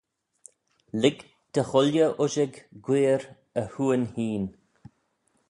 Lhig dy chooilley ushag guirr e hoohyn hene